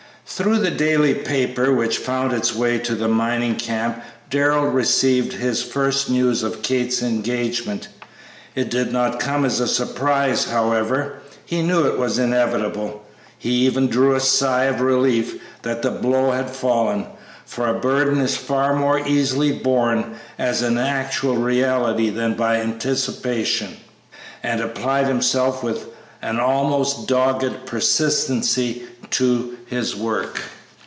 Through the daily paper which found its way to the mining camp Darrell received his first news of Kate's engagement. It did not come as a surprise, however; he knew it was inevitable; he even drew a sigh of relief that the blow had fallen, for a burden is far more easily borne as an actual reality than by anticipation, and applied himself with an almost dogged persistency to his work.